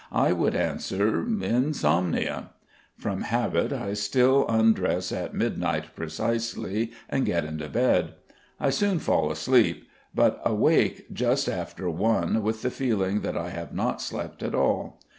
I would answer: "Insomnia." From habit, I still undress at midnight precisely and get into bed. I soon fall asleep but wake just after one with the feeling that I have not slept at all.